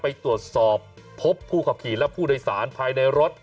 ไปตรวจสอบพบผู้ขับขี่และผู้โดยสารภายในรถ